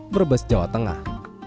brebes jawa tengah